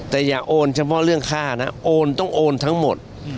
แต่อย่าโอนเฉพาะเรื่องค่านะโอนต้องโอนทั้งหมด